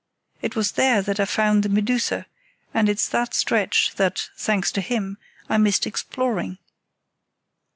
It was there that I found the Medusa, and it's that stretch that, thanks to him, I missed exploring."